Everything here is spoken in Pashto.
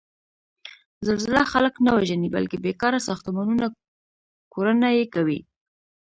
زلزله خلک نه وژني، بلکې بېکاره ساختمانونه کورنه یې کوي.